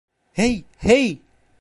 Hey, hey!